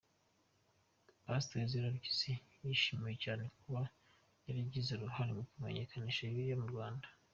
Pastor Ezra Mpyisi yashimiwe cyane kuba yaragiye uruhare mu kumenyekanisha Bibiliya mu Rwanda.